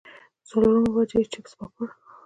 څلورمه وجه ئې چپس پاپړ